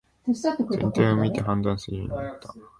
全体を見て判断するようになった